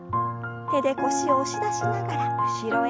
手で腰を押し出しながら後ろへ。